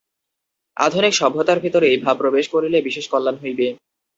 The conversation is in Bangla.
আধুনিক সভ্যতার ভিতরে এই ভাব প্রবেশ করিলে বিশেষ কল্যাণ হইবে।